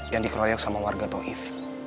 yang dikeroyok sama warga toif